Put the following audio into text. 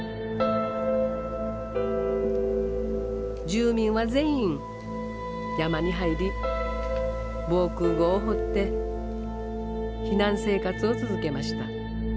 住民は全員山に入り防空壕を掘って避難生活を続けました。